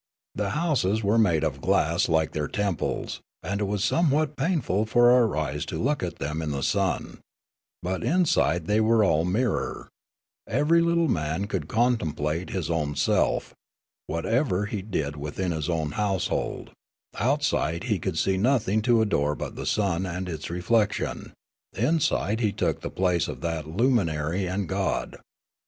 The houses were made of glass like their temples, and it was somewhat paiirful for our eyes to look at them in the sun ; but inside the}' were all mir ror ; every little man could contemplate his own self, whatever he did within his own household ; outside he could see nothing to adore but the sun and its reflec tion ; inside he took the place of that luminary and god.